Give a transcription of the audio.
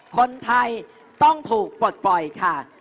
คนไทยต้องถูกปลดปล่อยค่ะ